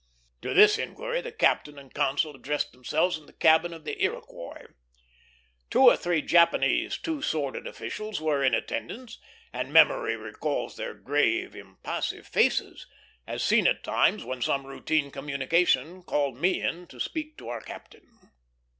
To this inquiry the captain and consul addressed themselves in the cabin of the Iroquois. Two or three Japanese two sworded officials were in attendance, and memory recalls their grave, impassive faces, as seen at times when some routine communication called me in to speak to our captain.